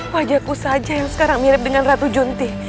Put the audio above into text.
wajahku saja yang sekarang mirip dengan ratu juntih